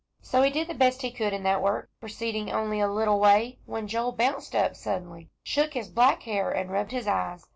So he did the best he could in that work, proceeding only a little way, when Joel bounced up suddenly, shook his black hair, and rubbed his eyes.